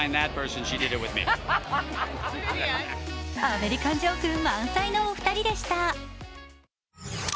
アメリカンジョーク満載のお二人でした。